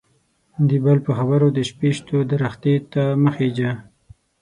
د بل په خبرو د شپيشتو درختي ته مه خيژه.